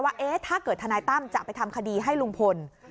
ว่าถ้าเกิดทนายตั้มจะไปทำคดีให้ลุงพล